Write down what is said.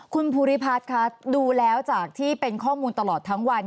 คุณภูริพัฒน์คะดูแล้วจากที่เป็นข้อมูลตลอดทั้งวัน